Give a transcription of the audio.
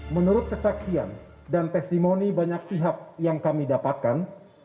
menurut kesaksian dan testimoni banyak pihak yang kami dapatkan